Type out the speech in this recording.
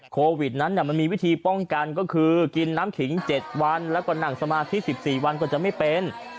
โควิดนั้นมันมีวิธีป้องกันก็คือกินน้ำขิง๗วันแล้วก็นั่งสมาธิ๑๔วันก็จะไม่เป็น